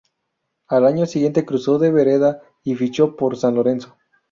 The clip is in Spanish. Al año siguiente cruzó de vereda y fichó por San Lorenzo.